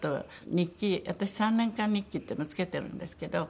私３年間日記っていうのをつけてるんですけど。